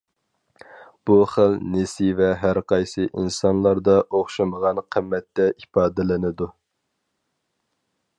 بۇ خىل نېسىۋە ھەرقايسى ئىنسانلاردا ئوخشىمىغان قىممەتتە ئىپادىلىنىدۇ.